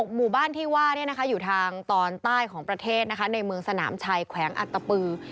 หมู่บ้านที่ว่าอยู่ทางตอนใต้ของประเทศนะคะในเมืองสนามชัยแขวงอัตตปือ